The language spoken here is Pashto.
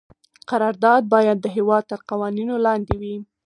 قرارداد باید د هیواد تر قوانینو لاندې وي.